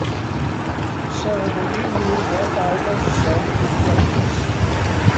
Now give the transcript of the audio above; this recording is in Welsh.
Seremoni i uno dau berson ydy priodas.